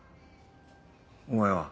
お前は？